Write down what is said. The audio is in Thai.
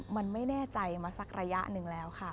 มันไม่แน่ใจมาสักระยะหนึ่งแล้วค่ะ